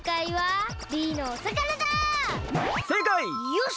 よし！